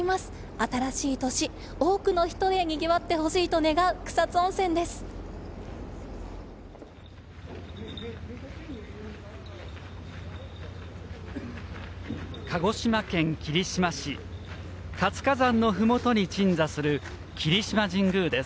新しい年、多くの人でにぎわってほしいと願う草津温泉です。